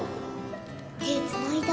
手つないだ？